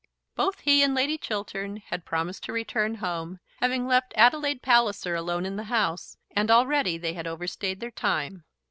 Both he and Lady Chiltern had promised to return home, having left Adelaide Palliser alone in the house, and already they had overstayed their time.